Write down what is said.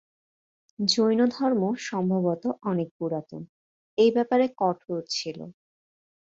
জৈন ধর্ম, সম্ভবত অনেক পুরাতন, এই ব্যাপারে কঠোর ছিলো।